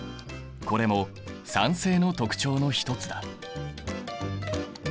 これも酸性の特徴の一つだ。